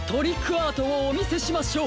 アートをおみせしましょう！